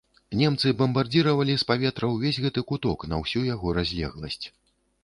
Немцы бамбардзіравалі з паветра ўвесь гэты куток на ўсю яго разлегласць.